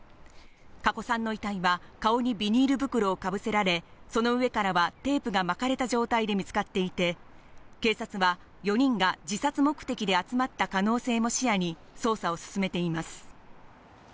加古さんの遺体は顔にビニール袋を被せられ、その上からはテープが巻かれた状態で見つかっていて、警察は４人が自殺目的で集まった可能性も視野に捜査を進めています。